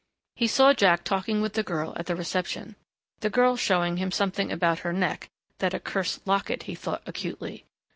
He saw Jack talking with the girl at the reception.... The girl showing him something about her neck that accursed locket, he thought acutely....